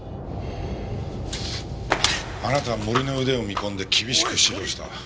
あなたは森の腕を見込んで厳しく指導した。